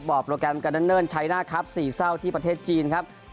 โปรแกรมกันเนิ่นชัยหน้าครับสี่เศร้าที่ประเทศจีนครับ